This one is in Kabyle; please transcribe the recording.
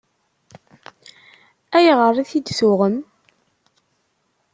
Ayɣer i t-id-tuɣem?